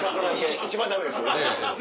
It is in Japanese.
一番ダメです。